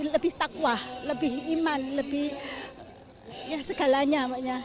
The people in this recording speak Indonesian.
lebih takwa lebih iman lebih segalanya maksudnya